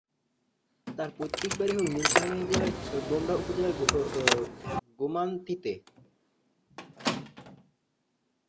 তার পৈতৃক বাড়ি হল নীলফামারী জেলার ডোমার উপজেলার গোমনাতিতে।